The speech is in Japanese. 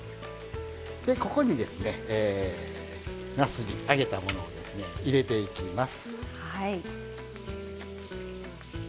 でここにですねなすび揚げたものをですね入れていきます。